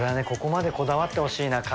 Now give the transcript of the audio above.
ここまでこだわってほしいな。